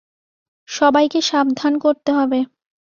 সবাইকে সাবধান করতে হবে।